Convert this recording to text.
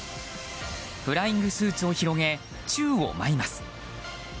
フライングスーツを広げ宙を舞います。